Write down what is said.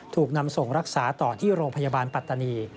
ถูกนำส่งรักษาต่อที่โรงพยาบาลปัตตานี